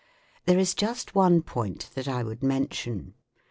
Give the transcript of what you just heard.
There is just one point that I would mention.